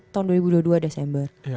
tahun dua ribu dua puluh dua desember